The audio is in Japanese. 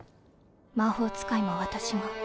魔法使いも私が。